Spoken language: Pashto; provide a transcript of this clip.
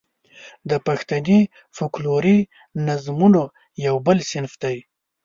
د پښتني فوکلوري نظمونو یو بل صنف دی.